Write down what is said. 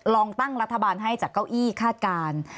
ลองตั้งรัฐบาลให้จากเก้าอี้คาดการณ์